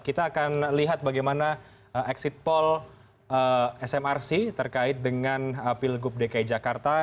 kita akan lihat bagaimana exit poll smrc terkait dengan pilgub dki jakarta